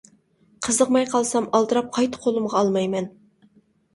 قىزىقماي قالسام ئالدىراپ قايتا قولۇمغا ئالمايمەن.